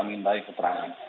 bisa kita minta ikut terang